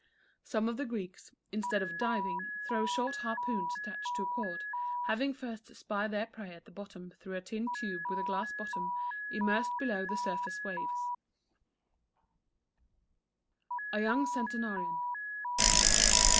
Some of the Greeks, instead of diving, throw short harpoons attached to a cord, having first spied their prey at the bottom through a tin tube with a glass bottom immersed below the surface waves. A YOUNG CENTENARIAN.